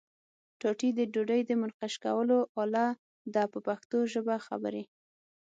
ټاټې د ډوډۍ د منقش کولو آله ده په پښتو ژبه خبرې.